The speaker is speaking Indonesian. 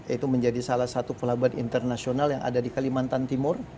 itu menjadi salah satu pelabuhan internasional yang ada di kalimantan timur